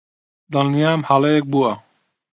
دڵنیام هەڵەیەک بووە.